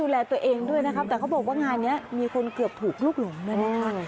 ดูแลตัวเองด้วยนะครับแต่เขาบอกว่างานนี้มีคนเกือบถูกลูกหลงเลยนะคะ